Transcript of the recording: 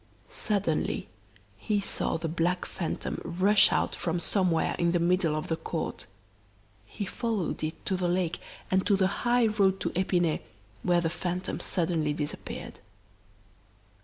Suddenly he saw the black phantom rush out from somewhere in the middle of the court. He followed it to the lake and to the high road to Epinay, where the phantom suddenly disappeared.